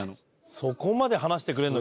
そこまで話してくれるの？